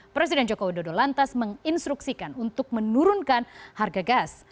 presiden joko widodo lantas menginstruksikan untuk menurunkan harga gas